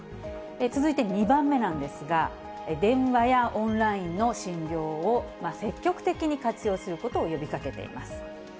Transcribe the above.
続いて２番目なんですが、電話やオンラインの診療を積極的に活用することを呼びかけています。